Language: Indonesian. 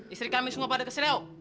istri kami sungguh pada keserew